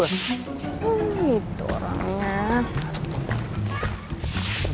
wih itu orangnya